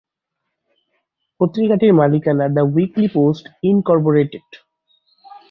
পত্রিকাটির মালিকানা the weekly post, Incorporated.